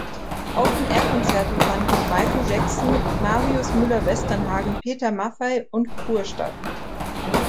Open-Air-Konzerte fanden mit Michael Jackson, Marius Müller-Westernhagen, Peter Maffay und Pur statt.